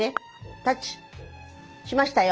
タッチしましたよ。